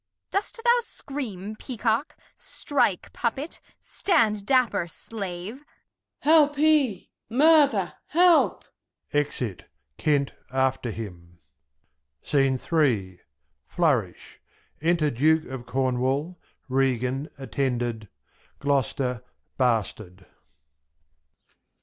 Dost thou scream Peacock, strike Puppet, stand dappar Slave. Gent. Help Hea' ! Murther, help. \E%it. Kent after him. Flourish. Enter Duke of Cornwal, Regan, attended; Gloster, Bastard.